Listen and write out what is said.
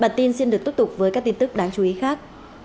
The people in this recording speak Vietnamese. bản tin xin được tiếp tục với các tin tức đáng chú ý khác